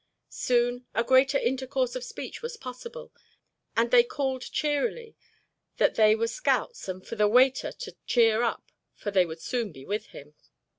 Soon a greater intercourse of speech was possible and they called cheerily that they were scouts and for the waiter to cheer up for they would soon be with him.